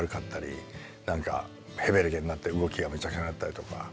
何かへべれけになって動きがめちゃくちゃになったりとか。